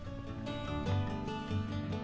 selama tiga jam